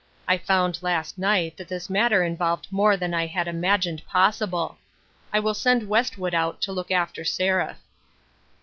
I found last night that this matter involved more than I had imagined possible. I will send West wood out to look after Seraph."